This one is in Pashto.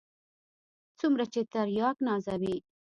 څومره چې ترياک نازوي.